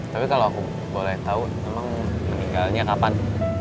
tapi kalau aku boleh tahu memang meninggalnya kapan